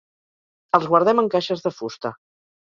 Els guardem en caixes de fusta.